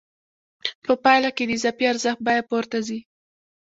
په پایله کې د اضافي ارزښت بیه پورته ځي